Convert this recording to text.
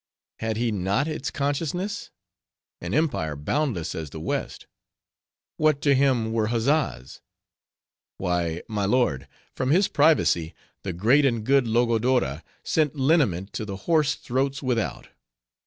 "Had he not its consciousness?—an empire boundless as the West. What to him were huzzas? Why, my lord, from his privacy, the great and good Logodora sent liniment to the hoarse throats without.